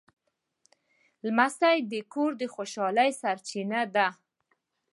لمسی د کور د خوشحالۍ سرچینه ده.